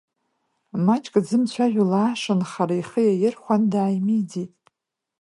Маҷк дзымцәажәо лаашанхара ихы иаирхәан, дааимидеит.